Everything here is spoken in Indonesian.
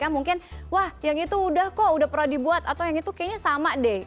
mungkin wah yang itu udah kok udah pernah dibuat atau yang itu kayaknya sama deh